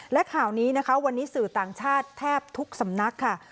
และข่าวนี้นะคะวันนี้สื่อต่างชาติแทบทุกสำนักค่ะ